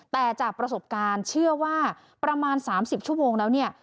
แต่จากประสบการณ์เชื่อว่าประมาณ๓๐ชั่วโมงแล้วเนี่ย